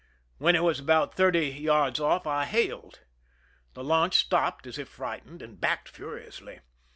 When it was about thirty yards off I hailed. The launch stopped as if frightened, and backed furi ously.